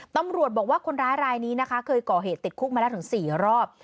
ตำรวจบอกว่าคนร้ายรายนี้นะคะเคยก่อเหตุติดคุกมาแล้วถึง๔รอบ